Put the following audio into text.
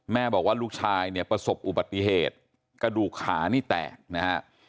บอกว่าลูกชายเนี่ยประสบอุบัติเหตุกระดูกขานี่แตกนะฮะ